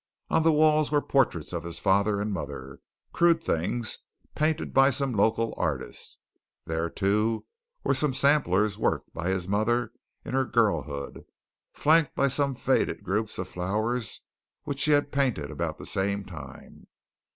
On the walls were portraits of his father and mother crude things painted by some local artist; there, too, were some samplers worked by his mother in her girlhood, flanked by some faded groups of flowers which she had painted about the same time.